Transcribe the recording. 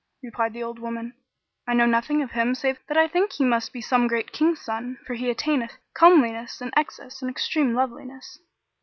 Replied the old woman, "I know nothing of him save that I think he must be some great King's son, for he attaineth comeliness in excess and extreme loveliness."